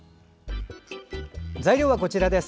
材料はこちらです。